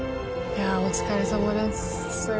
いやお疲れさまです。